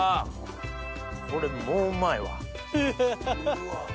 これもううまいわ。